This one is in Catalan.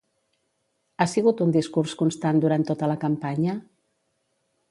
Ha sigut un discurs constant durant tota la campanya?